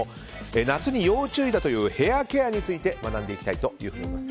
夏に要注意だというヘアケアについて学んでいきたいと思います。